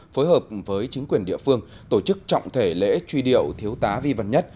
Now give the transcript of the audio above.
phối hợp với chính quyền địa phương tổ chức trọng thể lễ truy điệu thiếu tá vi văn nhất